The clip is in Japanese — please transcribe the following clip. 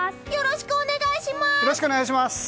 よろしくお願いします！